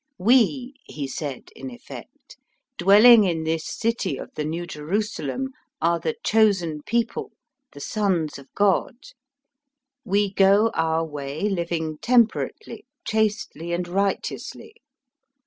*' We," he said in effect, dwelling in this city of the New Jerusalem, are the chosen people, the sons of God. We go our way, living temperately, chastely, and righteously.